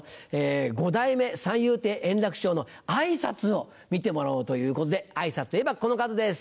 ５代目三遊亭圓楽師匠の挨拶を見てもらおうということで挨拶といえばこの方です。